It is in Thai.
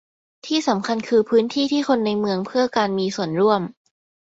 ที่สำคัญคือพื้นที่ที่คนในเมืองเพื่อการมีส่วนร่วม